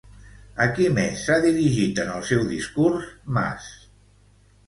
A qui més s'ha dirigit, en el seu discurs, Mas?